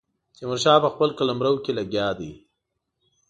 تیمور شاه په خپل قلمرو کې لګیا دی.